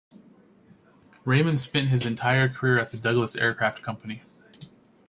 Raymond spent his entire career at the Douglas Aircraft Company.